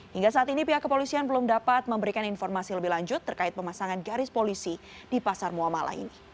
hingga saat ini pihak kepolisian belum dapat memberikan informasi lebih lanjut terkait pemasangan garis polisi di pasar muamalah ini